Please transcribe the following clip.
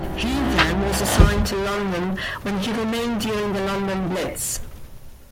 He then was assigned to London where he remained during the London blitz.